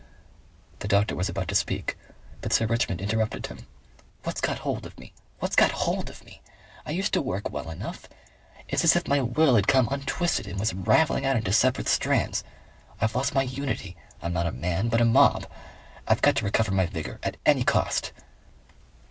The doctor was about to speak, but Sir Richmond interrupted him. "What's got hold of me? What's got hold of me? I used to work well enough. It's as if my will had come untwisted and was ravelling out into separate strands. I've lost my unity. I'm not a man but a mob. I've got to recover my vigour. At any cost."